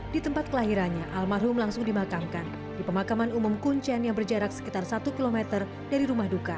di tempat kelahirannya almarhum langsung dimakamkan di pemakaman umum kuncen yang berjarak sekitar satu km dari rumah duka